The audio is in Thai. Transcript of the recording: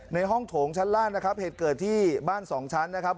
ในห้องโถงชั้นล่างนะครับเหตุเกิดที่บ้านสองชั้นนะครับ